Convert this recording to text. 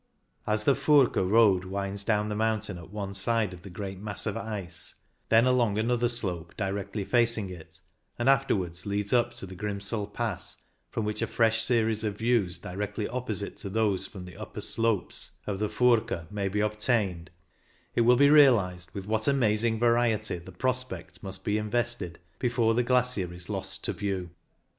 As the Furka road winds down the mountain at one side of the great mass of ice, then along another slope directly facing it, and after wards leads up to the Grimsel Pass, from which a fresh series of views directly opposite to those from the upper slopes of THE FURKA 121 the Furka may be obtained, it will be realized with what amazing variety the prospect must be invested before the glacier is lost to view.